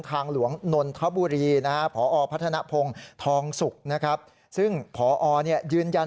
ทางหลวงนนทบุรีนะฮะพอพัฒนภงทองสุกนะครับซึ่งพอยืนยัน